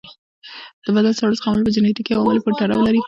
د بدن ساړه زغمل په جنیټیکي عواملو پورې تړاو لري.